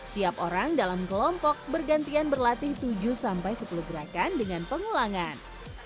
tiap orang dalam kelompok bergantian berlatih tujuh sampai sepuluh gerakan dengan pengulangan